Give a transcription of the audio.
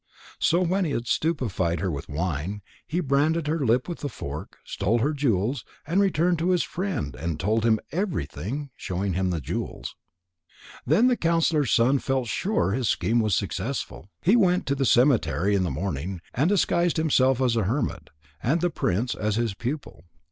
So when he had stupefied her with wine, he branded her hip with the fork, stole her jewels, returned to his friend, and told him everything, showing him the jewels. Then the counsellor's son felt sure his scheme was successful. He went to the cemetery in the morning, and disguised himself as a hermit, and the prince as his pupil.